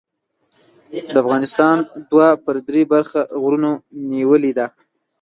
د افغانستان دوه پر درې برخه غرونو نیولې ده.